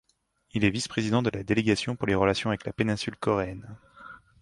Il est vice-président de la délégation pour les relations avec la Péninsule coréenne.